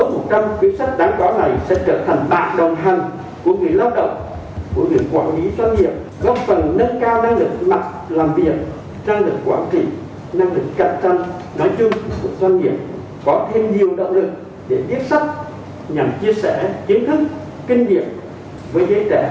nói chung doanh nghiệp có thêm nhiều động lực để viết sách